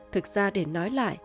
thực ra để nói lại